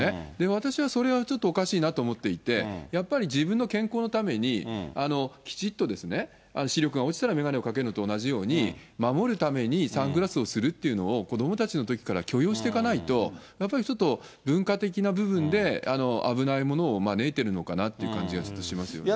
私はそれはちょっとおかしいなと思っていて、やっぱり自分の健康のために、きちっと視力が落ちたら眼鏡をかけるのと同じように、守るためにサングラスをするっていうのを子どもたちのときから許容していかないと、やっぱり、ちょっと、文化的な部分で、危ないものを招いてるのかなっていう感じがしてしまいますよね。